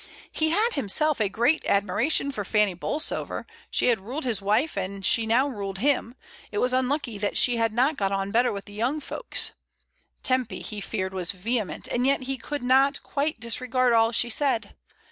He had himself a great admiration for Fanny Bolsover, she had ruled his COFFEE. 53 wife and she now ruled him, it was unlucky that she had not got on better with the young folks. Tempy, he feared, was vehement, and yet he could not quite disregard all she said.